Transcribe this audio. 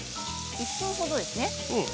１分ほどですね。